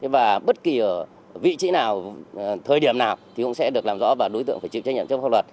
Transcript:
và bất kỳ ở vị trí nào thời điểm nào thì cũng sẽ được làm rõ và đối tượng phải chịu trách nhiệm trước pháp luật